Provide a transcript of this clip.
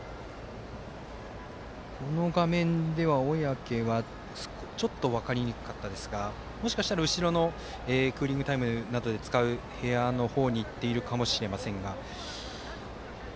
画面では小宅はちょっと分かりにくかったですがもしかしたら後ろのクーリングタイムなどで使う部屋などに行っているかもしれませんが。